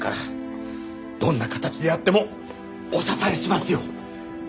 どんな形であってもお支えしますよ。